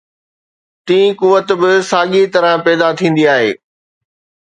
ٽين قوت به ساڳيءَ طرح پيدا ٿيندي آهي.